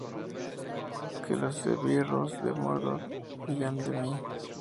Que los esbirros de Mordor huyan de mí.